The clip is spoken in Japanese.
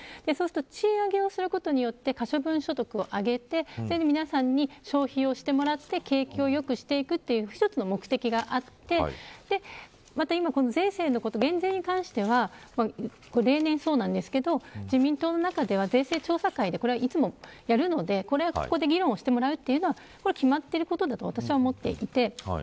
賃上げをすることで可処分所得を上げて皆さんに消費をしてもらって景気を良くしていくという１つの目的があって税制のこと、減税に関しては例年そうなんですけど自民党の中では税制調査会でいつもやるのでここで議論をしてもらうというのは決まっていることだと思っています。